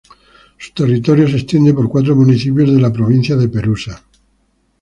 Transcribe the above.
Su territorio se extiende por cuatro municipios de la provincia de Perusa.